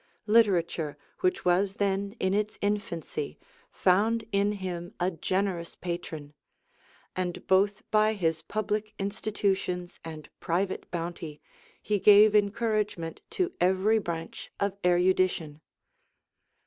Literature, which was then in its infancy, found in him a generous patron; and both by his public institutions and private bounty, he gave encouragement to every branch of erudition.